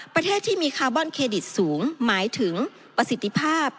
ประเทศที่มีคาร์บอนเครดิตสูงหมายถึงประสิทธิภาพ